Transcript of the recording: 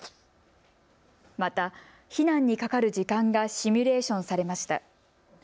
また避難にかかる時間がシミュレーションされました。